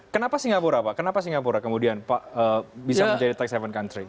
kenapa singapura pak kenapa singapura kemudian bisa menjadi tax haven country